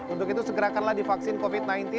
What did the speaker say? untuk itu segerakanlah divaksin covid sembilan belas